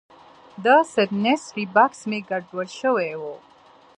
د ستنسرۍ بکس مې ګډوډ شوی و.